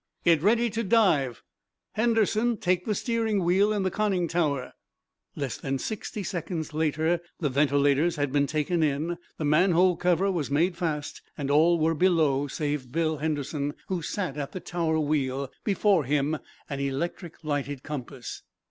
Get ready to dive. Henderson, take the steering wheel in the conning tower." Less than sixty seconds later the ventilators had been taken in, the manhole cover was made fast, and all were below, save Bill Henderson, who sat at the tower wheel, before him an electric lighted compass.